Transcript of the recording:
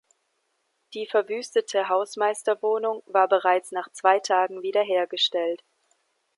Die verwüstete Hausmeisterwohnung war bereits nach zwei Tagen wiederhergestellt.